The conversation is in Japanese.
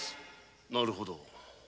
なるほど。